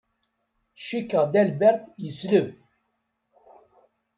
Cikkeɣ Delbert yesleb.